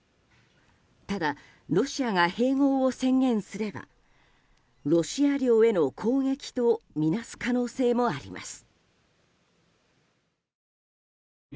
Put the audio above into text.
ただ、ロシアが併合を宣言すればロシア領への攻撃とみなす可能性もあります。